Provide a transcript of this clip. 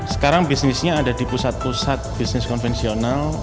sekarang bisnisnya ada di pusat pusat bisnis konvensional